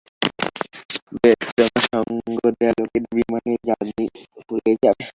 বেশ, তোমার সঙ্গ দেয়া লোকেদের বিমানে জ্বালানীই ফুরিয়ে যাবে।